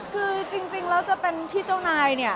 คือจริงแล้วจะเป็นที่เจ้านายเนี่ย